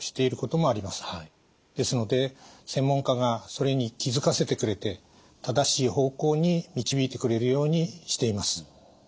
ですので専門家がそれに気付かせてくれて正しい方向に導いてくれるようにしています。